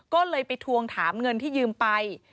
ก็เลยไปทวงถามเงินที่ยืมไป